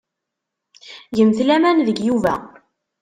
Gemt laman deg Yuba.